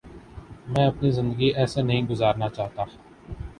میں اپنی زندگی ایسے نہیں گزارنا چاہتا۔